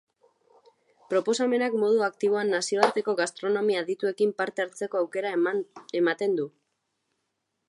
Proposamenak modu aktiboan nazioarteko gastronomia adituekin parte hartzeko aukera ematen du.